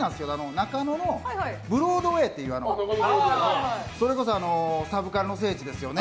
中野のブロードウェイというそれこそサブカルの聖地ですよね。